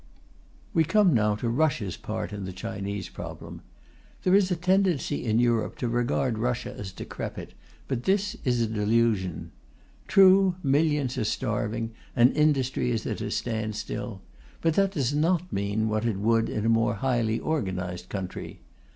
We come now to Russia's part in the Chinese problem. There is a tendency in Europe to regard Russia as decrepit, but this is a delusion. True, millions are starving and industry is at a standstill. But that does not mean what it would in a more highly organized country.